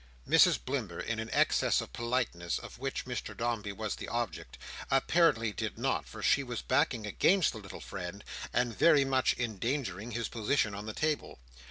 Mrs Blimber, in an excess of politeness, of which Mr Dombey was the object, apparently did not, for she was backing against the little friend, and very much endangering his position on the table.